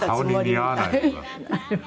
顔に似合わない。